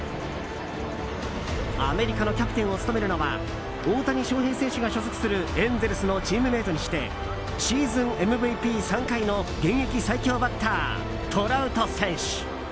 アメリカのキャプテンを務めるのは大谷翔平選手が所属するエンゼルスのチームメートにしてシーズンＭＶＰ３回の現役最強バッター、トラウト選手。